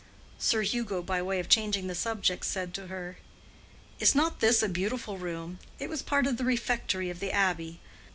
Sir Hugo, by way of changing the subject, said to her, "Is not this a beautiful room? It was part of the refectory of the Abbey.